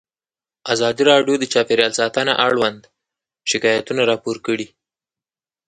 ازادي راډیو د چاپیریال ساتنه اړوند شکایتونه راپور کړي.